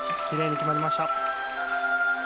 きれいに決まりました。